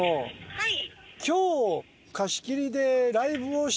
はい。